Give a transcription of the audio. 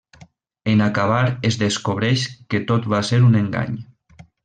En acabar es descobreix que tot va ser un engany.